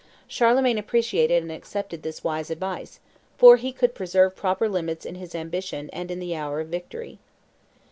Charlemagne appreciated and accepted this wise advice; for he could preserve proper limits in his ambition and in the hour of victory.